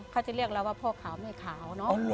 เขาจะเรียกเราว่าพ่อขาวแม่ขาวเนอะ